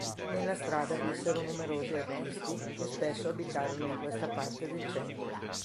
Nella strada vissero numerosi artisti, che spesso abitarono in questa parte del centro.